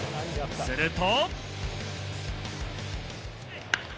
すると。